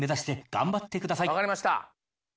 分かりました。